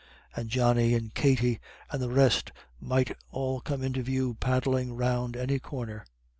And Johnny and Katty and the rest might all come into view paddling round any corner.